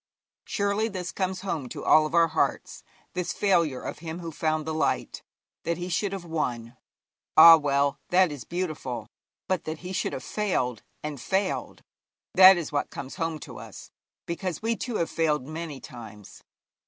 Surely this comes home to all of our hearts this failure of him who found the light. That he should have won ah, well, that is beautiful; but that he should have failed and failed, that is what comes home to us, because we too have failed many times.